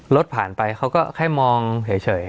รถผ่านไปเขาก็แค่มองเฉย